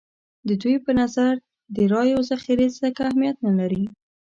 د دوی په نظر د رایو ذخیرې ځکه اهمیت نه لري.